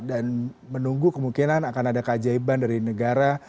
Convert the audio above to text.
dan menunggu kemungkinan akan ada keajaiban dari negara